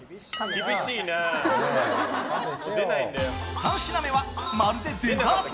３品目は、まるでデザート？